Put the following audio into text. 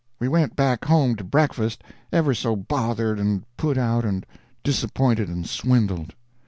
We went back home to breakfast ever so bothered and put out and disappointed and swindled.